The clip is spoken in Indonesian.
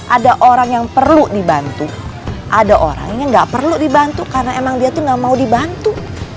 ada orang yang perlu dibantu ada orang yang nggak perlu dibantu karena emang dia tuh gak mau dibantu